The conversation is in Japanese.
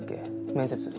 面接。